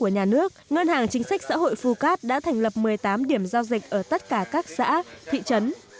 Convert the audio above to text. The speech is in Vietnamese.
ngân hàng chính sách xã hội phù cát đã thành lập một mươi tám điểm giao dịch ở tất cả các xã thị trấn